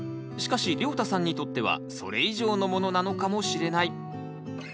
しかしりょうたさんにとってはそれ以上のものなのかもしれない。